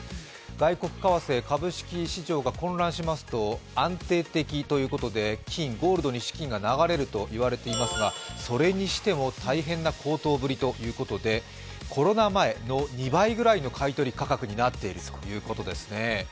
外国為替市場が混乱しますと安定的ということで金、ゴールドに資金が流れると言われますがそれにしても大変な高騰ぶりということで、コロナ前の２倍ぐらいの買取価格になっているということですね。